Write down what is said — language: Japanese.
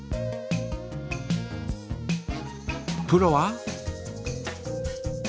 プロは？